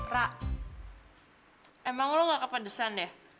ra emang lo nggak kepedesan ya